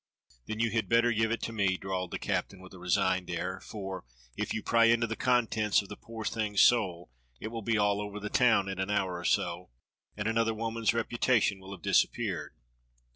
"Then you had better give it to me," drawled the captain with a resigned air, "for if you pry into the contents of the poor thing's soul, it will be all over the tow^n in an hour or so, and another woman's reputation w^ill have disappeared.